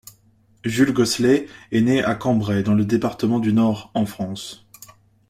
Jules Gosselet est né le à Cambrai dans le département du Nord en France.